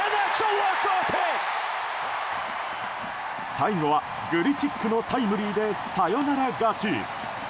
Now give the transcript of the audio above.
最後はグリチックのタイムリーでサヨナラ勝ち。